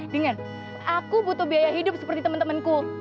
dengan aku butuh biaya hidup seperti temen temenku